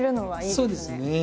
そうですね。